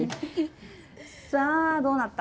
さあどうなった。